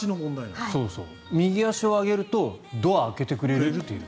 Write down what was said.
右足を上げるとドアを開けてくれるという。